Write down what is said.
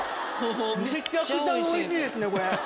めちゃくちゃおいしいですねこれ。